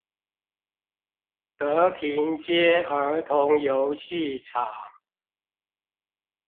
德平街兒童遊戲場